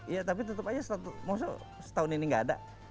iya tapi tutup aja setahun ini gak ada